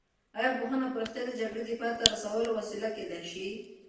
ایا پوهنه په رښتیا د جګړې د پای ته رسولو وسیله کېدای شي؟